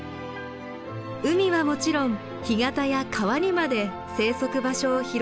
海はもちろん干潟や川にまで生息場所を広げています。